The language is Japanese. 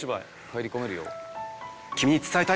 入り込めるよ。